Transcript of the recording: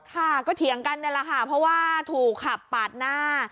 ค่ะก็เถียงกันนี่แหละค่ะเพราะว่าถูกขับปาดหน้า